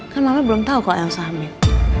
kan mama belum tau kalau elsa hamil